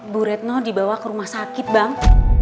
bu retno dibawa ke rumah sakit bang